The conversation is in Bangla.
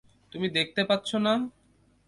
তুমি দেখতে পাচ্ছো না?